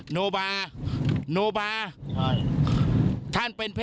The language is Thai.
โนบาโนบา